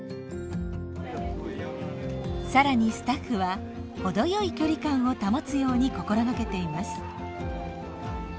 更にスタッフは程よい距離感を保つように心がけています。